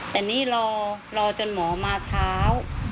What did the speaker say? แต่นี่รอจนหมอมาเช้า